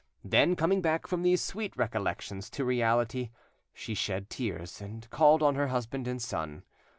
Then, coming back from these sweet recollections to reality, she shed tears, and called on her husband and son.